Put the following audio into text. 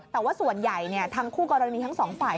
แต่ว่าส่วนใหญ่ทั้งคู่กรณีทั้งสองฝ่าย